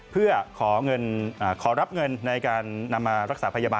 เพื่อขอรับเงินในการนำมารักษาพยาบาล